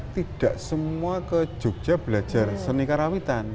tidak semua ke jogja belajar seni karawitan